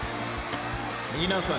皆さん